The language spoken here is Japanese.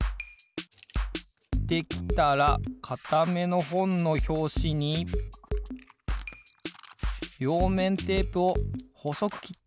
できたらかためのほんのひょうしにりょうめんテープをほそくきってはりつけていきます。